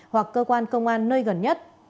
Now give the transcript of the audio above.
sáu trăm sáu mươi bảy hoặc cơ quan công an nơi gần nhất